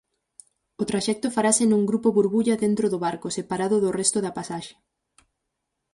O traxecto farase nun 'grupo burbulla' dentro do barco, separado do resto da pasaxe.